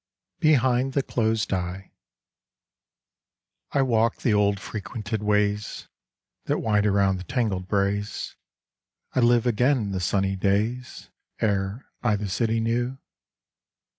BEHIND THE CLOSED EYE I WALK the old frequented ways That wind around the tangled braes, I live again the sunny days Ere I the city knew.